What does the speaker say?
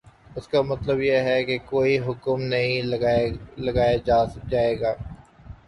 اس کا مطلب یہ ہے کہ کوئی حکم نہیں لگایا جائے گا